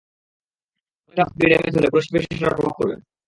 কোনও একটা বগি ড্যামেজ হলে পুরো শিপে সেটার প্রভাব পড়বে।